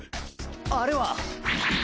あれは！